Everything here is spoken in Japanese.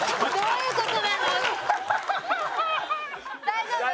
大丈夫？